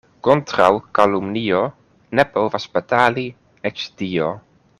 Kontraŭ kalumnio ne povas batali eĉ Dio.